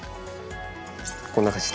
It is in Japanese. こんな感じ。